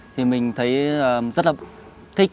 thì mình thấy rất là thích